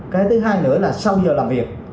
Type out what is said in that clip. cái thứ hai nữa là sau giờ làm việc